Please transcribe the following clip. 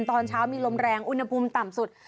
ตอนเช้ามีลมแรงอุณหภูมิต่ำสุด